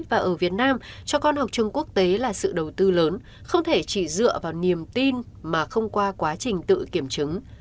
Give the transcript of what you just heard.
và ở việt nam cho con học trường quốc tế là sự đầu tư lớn không thể chỉ dựa vào niềm tin mà không qua quá trình tự kiểm chứng